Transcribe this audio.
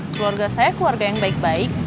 keluarga saya keluarga yang baik baik